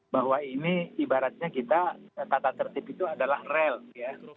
bahwa ini ibaratnya kita tata tertib itu adalah resiko